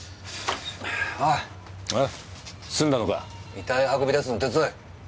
遺体を運び出すの手伝え！